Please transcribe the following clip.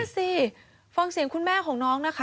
นั่นแน่สิฟังเสียงคุณแม่ของน้องนะคะ